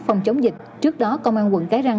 phòng chống dịch trước đó công an quận cái răng